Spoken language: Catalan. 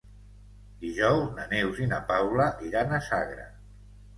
Dijous na Neus i na Paula iran a Sagra.